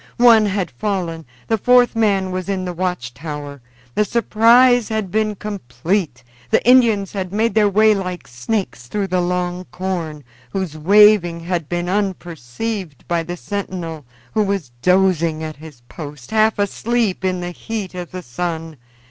One had fallen. The fourth man was in the watch tower. The surprise had been complete. The Indians had made their way like snakes through the long corn, whose waving had been unperceived by the sentinel, who was dozing at his post, half asleep in the heat of the sun.